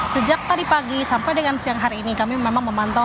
sejak tadi pagi sampai dengan siang hari ini kami memang memantau